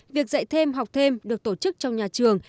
việc dạy thêm học thêm được tổ chức trong nhà trường